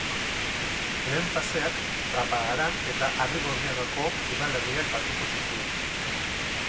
Lehen faseak, Trapagaran eta Arrigorriagako udalerriak batuko zituen.